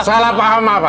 salah paham apa